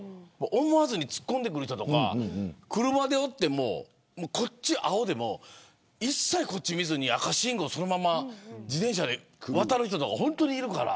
思わずに突っ込んでくる人とか車でこっちが青でも一切見ずに赤信号を自転車で渡る人とか本当にいるから。